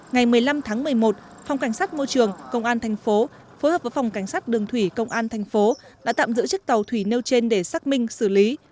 ngày một mươi năm tháng một mươi một phòng cảnh sát môi trường công an tp phối hợp với phòng cảnh sát đường thủy công an tp đã tạm giữ chức tàu thủy nêu trên để xác minh xử lý